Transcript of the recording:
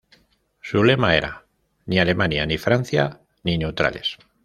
Su lema era: "Ni Alemania ni Francia ni neutrales".